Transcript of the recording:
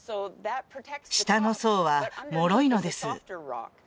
下の層はもろいのです